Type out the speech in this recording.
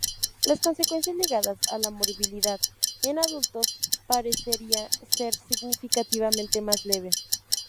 Las consecuencias ligadas a la morbilidad en adultos parecería ser significativamente más leve.